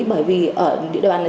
bởi vì ở địa bàn này